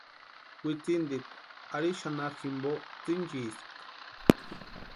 Witsintikwa arini xanharu jimpo tsïnchispka.